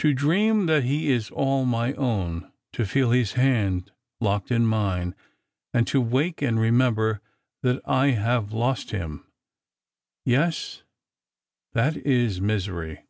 To dream that he iu all my own, to feel his hand locked in mine, and to wake aud remember that I have lost him — yes, that is misery."